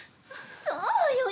そうよ！